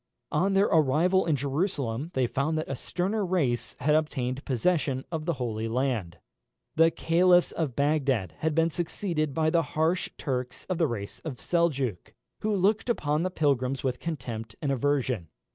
On their arrival in Jerusalem they found that a sterner race had obtained possession of the Holy Land. The caliphs of Bagdad had been succeeded by the harsh Turks of the race of Seljook, who looked upon the pilgrims with contempt and aversion.